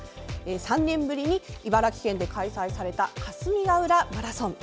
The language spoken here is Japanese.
３年ぶりに茨城県で開催されたかすみがうらマラソン。